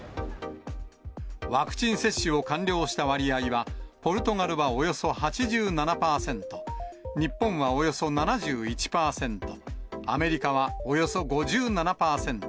ワクチン接種を完了した割合は、ポルトガルはおよそ８７％、日本はおよそ７１％、アメリカはおよそ５７％。